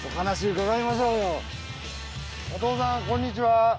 お父さんこんにちは。